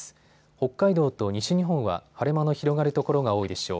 北海道と西日本は晴れ間の広がる所が多いでしょう。